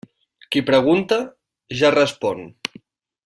Qui pregunta, ja respon.